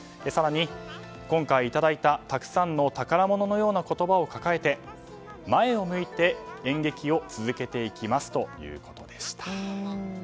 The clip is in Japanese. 更に、今回いただいたたくさんの宝物のような言葉を抱えて前を向いて演劇を続けていきますということでした。